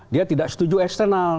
dia tidak setuju eksternal